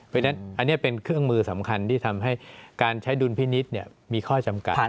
เพราะฉะนั้นอันนี้เป็นเครื่องมือสำคัญที่ทำให้การใช้ดุลพินิษฐ์มีข้อจำกัด